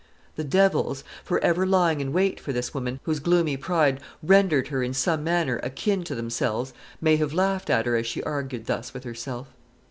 The devils for ever lying in wait for this woman, whose gloomy pride rendered her in some manner akin to themselves may have laughed at her as she argued thus with herself.